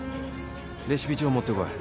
レシピ帳を持ってこい